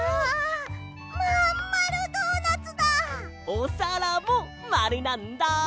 おさらもまるなんだ！